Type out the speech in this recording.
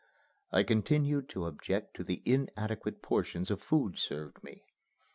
I continued to object to the inadequate portions of food served me.